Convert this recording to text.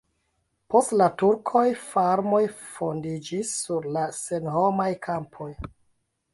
Post la turkoj farmoj fondiĝis sur la senhomaj kampoj.